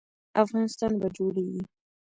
افغانستان به جوړیږي